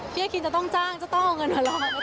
พี่อาคินจะต้องจ้างจะต้องเอาเงินมาร้อง